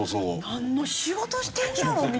なんの仕事してんのやろ？みたいな。